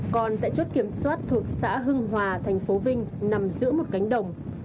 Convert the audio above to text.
còn tại chốt kiểm soát thuộc xã hưng hòa thành phố vinh nằm giữa một cánh đồng